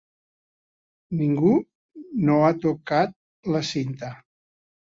Ningú no ha tocat la cinta.